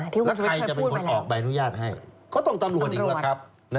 แล้วใครจะเป็นคนออกใบอนุญาตให้ก็ต้องตำรวจอีกแล้วครับ